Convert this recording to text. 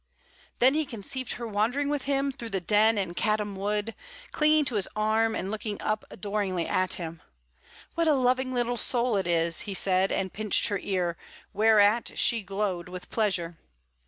Then he conceived her wandering with him through the Den and Caddam Wood, clinging to his arm and looking up adoringly at him. "What a loving little soul it is!" he said, and pinched her ear, whereat she glowed with pleasure.